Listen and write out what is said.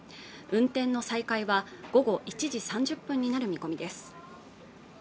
運転の再開は午後１時３０分になる見込みです